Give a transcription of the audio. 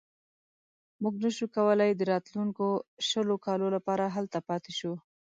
موږ نه شو کولای د راتلونکو شلو کالو لپاره هلته پاتې شو.